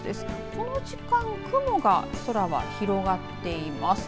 この時間雲が空に広がっています。